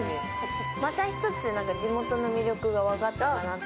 また一つ地元の魅力が分かったかなって。